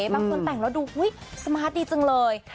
บางคนแต่งแล้วดูอุ๊ยสมาร์ทดีจังเลย